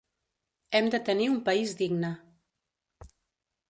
Hem de tenir un país digne.